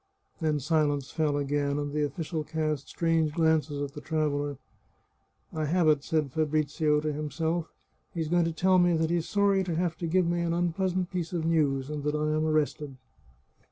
Then silence fell again, and the official cast strange glances at the traveller. " I have it," said Fabrizio to himself ;" he's going to tell me that he's sorry to have to give me an unpleasant piece of news, and that I am arrested."